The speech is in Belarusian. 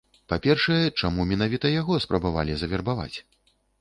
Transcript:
Па-першае, чаму менавіта яго спрабавалі завербаваць?